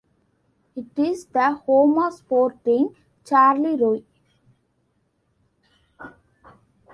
It is the home of Sporting Charleroi.